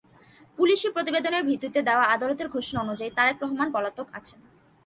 পুলিশি প্রতিবেদনের ভিত্তিতে দেওয়া আদালতের ঘোষণা অনুযায়ী, তারেক রহমান পলাতক আছেন।